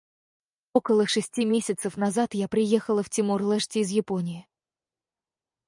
Около шести месяцев назад я приехала в Тимор-Лешти из Японии.